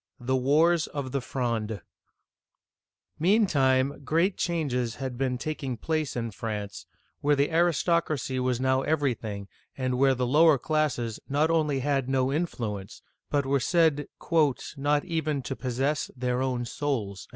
THE WARS OF THE FRONDE MEANTIME, great changes had been taking place in France, where the aristocracy now was every thing, and where the lower classes not only had no influ ence, but were said "not even to possess their own souls."